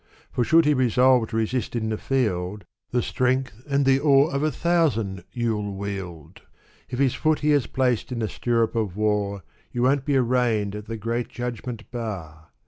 For should he resolve to resist in the field, The strength and the awe of a thousand you'll wield. If his foot he has placed in the stirrup of war, You won't be arraigned at the Great Judgment Bar.